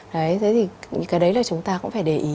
đấy thế thì những cái đấy là chúng ta cũng phải để ý